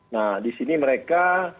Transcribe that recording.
nah di sini mereka